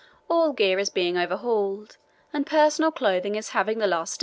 "All gear is being overhauled, and personal clothing is having the last stitches.